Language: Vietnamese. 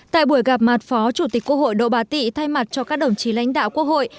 tại buổi gặp mặt phó chủ tịch quốc hội đỗ bá tị thay mặt cho các đồng chí lãnh đạo quốc hội